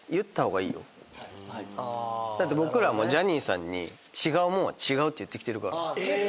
だって僕らもジャニーさんに違うもんは違うって言ってきてるから。